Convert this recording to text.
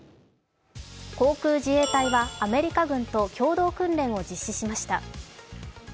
航空自衛隊はアメリカ軍と共同訓練を実施しました。